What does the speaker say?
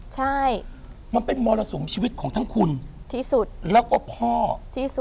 ใช่มันเป็นมรสุมชีวิตของทั้งคุณที่สุดแล้วก็พ่อที่สุด